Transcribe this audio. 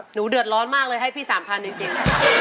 หนูเดือดร้อนมากเลยให้พี่๓๐๐จริง